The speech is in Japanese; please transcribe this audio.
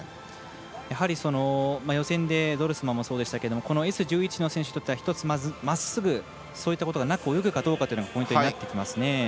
やはり、予選でドルスマンもそうでしたがこのＳ１１の選手にとってはまっすぐ、そういったことがなく泳げるかがポイントになってきますね。